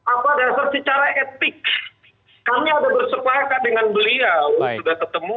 apa dasar secara etik kami ada bersepakat dengan beliau sudah ketemu